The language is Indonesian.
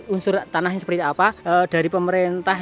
unsur tanahnya seperti apa dari pemerintah